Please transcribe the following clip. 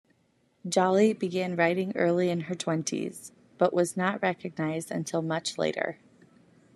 Jolley began writing early in her twenties, but was not recognised until much later.